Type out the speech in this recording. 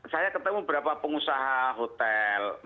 saya ketemu beberapa pengusaha hotel